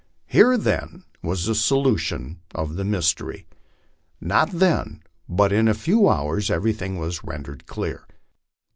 Here, then, was the solution of the mystery. Not then, but in a few hours, everything was rendered clear.